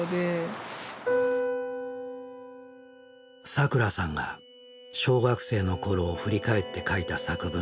さくらさんが小学生の頃を振り返って書いた作文がある。